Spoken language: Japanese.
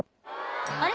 「あれ？